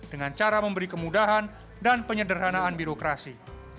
dengan cara memberi kemudahan dan penyederhanaan birokrasi